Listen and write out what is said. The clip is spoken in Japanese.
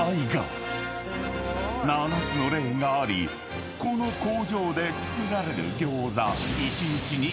［７つのレーンがありこの工場で作られる餃子］